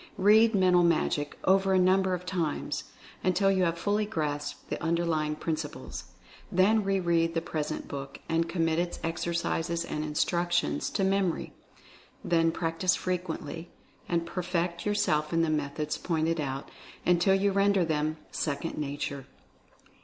Read "Mental Magic" over a number of times, until you have fully grasped the underlying principles. Then re read the present book, and commit its exercises and instructions to memory. Then practice frequently, and perfect your self in the methods pointed out, until you render them "second nature."